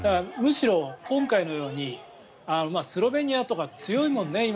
むしろ今回のようにスロベニアとか強いもんね。